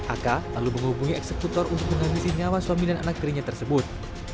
aka lalu menghubungi eksekutor untuk menghabisi nyawa suami dan anak kirinya tersebut